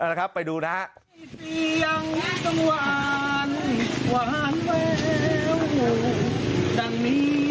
เอาละครับไปดูนะครับ